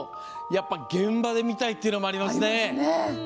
やっぱり現場で見たいっていうのもありますね。